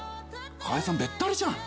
川栄さんべったりじゃん。